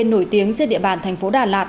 nổi tiếng trên địa bàn thành phố đà lạt